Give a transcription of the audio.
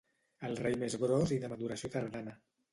El raïm és gros i de maduració tardana.